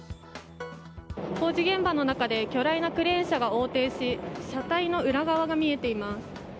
工事現場の中で巨大なクレーン車が横転し車体の裏側が見えています。